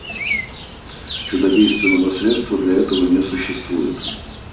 Чудодейственного средства для этого не существует.